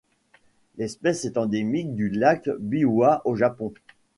L'espèce est endémique du lac Biwa au Japon.